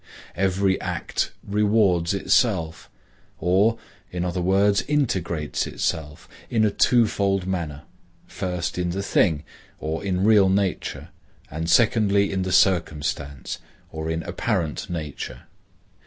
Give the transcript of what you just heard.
Every act rewards itself, or, in other words integrates itself, in a twofold manner; first in the thing, or in real nature; and secondly in the circumstance, or in apparent nature.